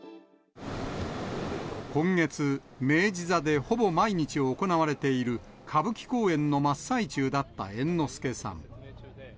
今月、明治座でほぼ毎日行われている歌舞伎公演の真っ最中だった猿之助さん。